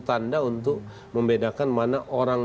tanda untuk membedakan mana